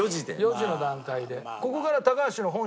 ４時の段階で。